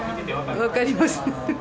分かります。